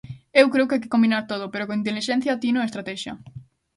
Eu creo que hai que combinar todo, pero con intelixencia, tino e estratexia.